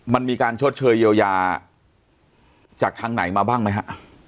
มันมีการชดเชยเยียวยาจากทางไหนมาบ้างไหมฮะ